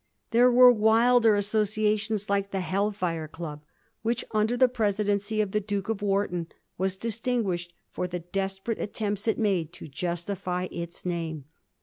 There were wilder associations, like the Hell Fire Club, which under the presidency of the Duke of Wharton was distinguished for the desperate attempts it made to justify its name.